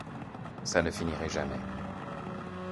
Ça ne finirait jamais.